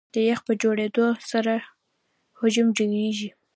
د یخ په جوړېدو سره حجم ډېرېږي.